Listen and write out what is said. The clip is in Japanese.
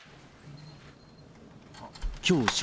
きょう正